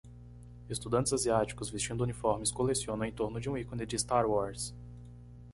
Estudantes asiáticos vestindo uniformes colecionam em torno de um ícone de Star Wars.